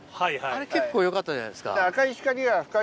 あれ結構よかったじゃないですか。